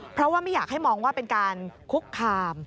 เพราะว่าไม่อยากให้มองว่าเป็นการคุกคาม